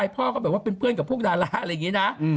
พ่อก็แบบว่าเป็นเพื่อนกับพวกดาราอะไรอย่างนี้นะ